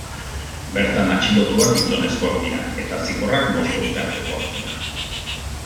Bertan atxilotuak gizonezkoak dira eta zigorrak bost urte artekoak dira.